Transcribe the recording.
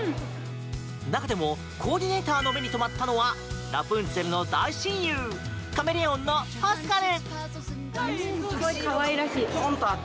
中でもコーディネーターの目に留まったのはラプンツェルの大親友カメレオンのパスカル。